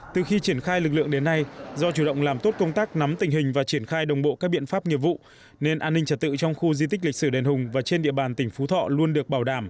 từ khi triển khai lực lượng đến nay do chủ động làm tốt công tác nắm tình hình và triển khai đồng bộ các biện pháp nghiệp vụ nên an ninh trật tự trong khu di tích lịch sử đền hùng và trên địa bàn tỉnh phú thọ luôn được bảo đảm